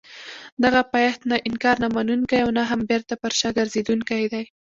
دغه پایښت نه انکار نه منونکی او نه هم بېرته پر شا ګرځېدونکی دی.